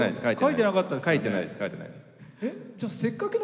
書いてなかったですよね？